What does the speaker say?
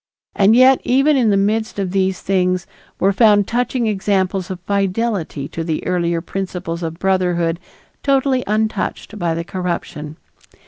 And yet even in the midst of these things were found touching examples of fidelity to the earlier principles of brotherhood totally untouched by the corruption.